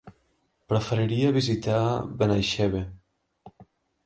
Preferiria visitar Benaixeve.